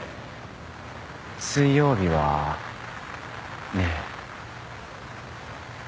水曜日はねえ